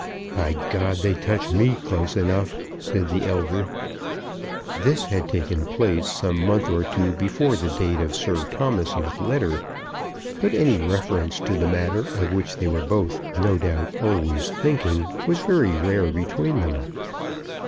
"By God, they touch me close enough!" said the elder. This had taken place some month or two before the date of Sir Thomas's letter; but any reference to the matter of which they were both no doubt always thinking was very rare between them.